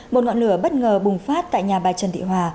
một ngọn lửa bất ngờ bùng phát tại nhà bà trần thị hòa